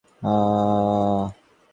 যে এসেছে, সে অপরিচিত।